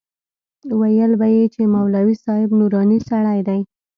ويل به يې چې مولوي صاحب نوراني سړى دى.